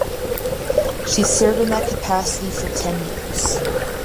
She served in that capacity for ten years.